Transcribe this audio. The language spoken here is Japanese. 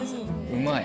うまい。